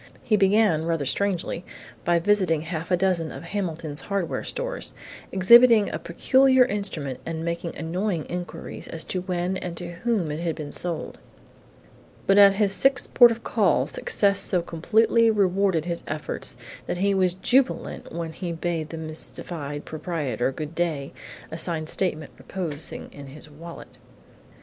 He began, rather strangely, by visiting half a dozen of Hamilton's hardware stores, exhibiting a peculiar instrument and making annoying inquiries as to when and to whom it had been sold. But at his sixth port of call success so completely rewarded his efforts that he was jubilant when he bade the mystified proprietor good day, a signed statement reposing in his wallet.